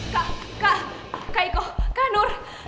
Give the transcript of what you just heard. kak kak kak iko kak nur